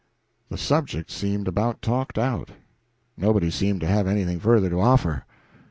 The subject seemed about talked out. Nobody seemed to have anything further to offer.